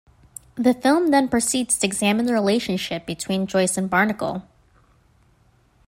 The film then proceeds to examine the relationship between Joyce and Barnacle.